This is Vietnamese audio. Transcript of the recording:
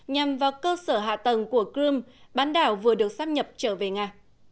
nhằm vào cơ sở hạ tầng của crimea bán đảo vừa được sắp nhập trở về nga